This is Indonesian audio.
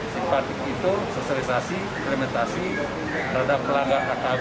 simpatik itu sosialisasi implementasi terhadap pelanggar akb